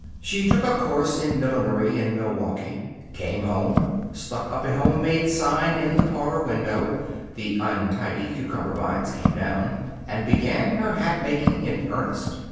She took a course in millinery in Milwaukee, came home, stuck up a homemade sign in the parlor window (the untidy cucumber vines came down), and began her hatmaking in earnest.